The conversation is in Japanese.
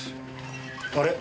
あれ？